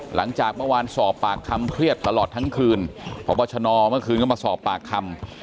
หลังจากเมื่อวานสอบปากคำเครียดตลอดทั้งคืนพบชนเมื่อคืนก็มาสอบปากคำ